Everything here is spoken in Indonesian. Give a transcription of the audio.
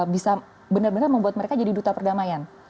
bisa benar benar membuat mereka jadi duta perdamaian